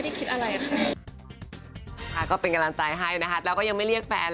ได้เห็นข่าวเลยนะครับ